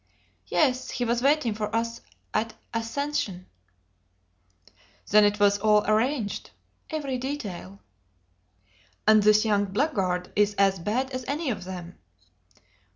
"Yes; he was waiting for us at Ascension." "Then it was all arranged?" "Every detail." "And this young blackguard is as bad as any of them!"